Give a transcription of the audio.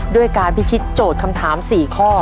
ด้วยการพิชิตโจทย์คำถาม๔ข้อ